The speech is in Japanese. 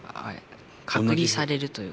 隔離されるというか。